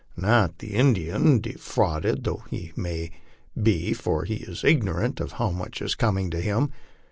Not the Indian, defrauded though he may oe, for he is ignorant of how much is coming to him.